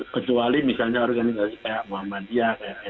kecuali misalnya organisasi kayak muhammadiyah kayak nu kan